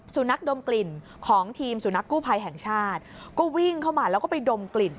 นักดมกลิ่นของทีมสุนัขกู้ภัยแห่งชาติก็วิ่งเข้ามาแล้วก็ไปดมกลิ่น